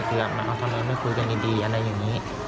เพื่อมาเอาทำไมไม่คุยกันดีอะไรอย่างนี้